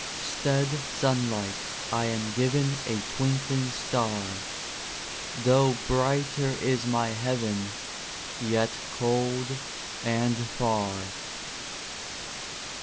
Stead sunlight I am given A twinkling star; Though brighter is my heaven— Yet cold and far.